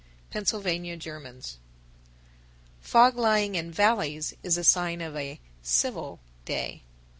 Pennsylvania Germans. 972. Fog lying in valleys is a sign of a "civil" day.